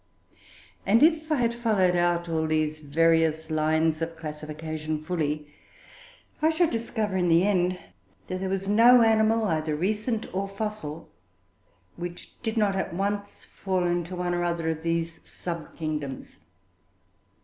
And if I had followed out all these various lines of classification fully, I should discover in the end that there was no animal, either recent or fossil, which did not at once fall into one or other of these sub kingdoms.